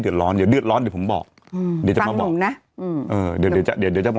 เดือดร้อนเดี๋ยวเดือดร้อนเดี๋ยวผมบอกอืมฟังผมนะอืมเออเดี๋ยวเดี๋ยวจะ